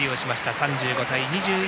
３５対２１！